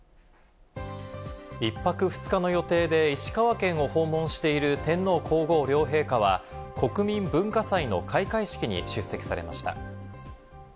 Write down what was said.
１泊２日の予定で石川県を訪問している天皇皇后両陛下は国民文化祭の開会式に出席されました。